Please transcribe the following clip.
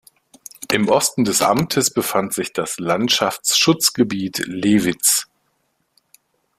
Im Osten des Amtes befand sich das Landschaftsschutzgebiet Lewitz.